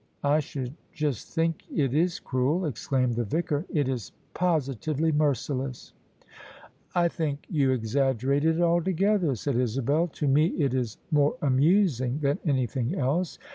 I should just think it is cruel," exclaimed the Vicar, " it is positively merciless !"" I think you exaggerate it altogether," said Isabel :" to me it is more amusing than anything else.